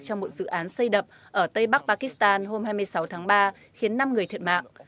trong một dự án xây đập ở tây bắc pakistan hôm hai mươi sáu tháng ba khiến năm người thiệt mạng